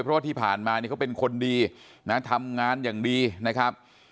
เพราะว่าที่ผ่านมาเนี่ยเขาเป็นคนดีนะทำงานอย่างดีนะครับ